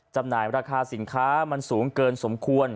จำหน่ายราคาสินค้ามันสูงเกินสมควร